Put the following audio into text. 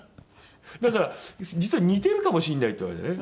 だから実は似てるかもしれないって言われてね。